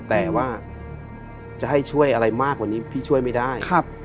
แต่ว่าจะให้ช่วยอะไรมากกว่านี้พี่ช่วยไม่ได้